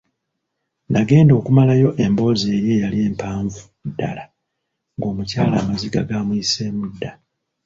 Nagenda okumalayo emboozi eri eyali empavu ddala ng'omukyala amaziga gaamuyiseemu dda.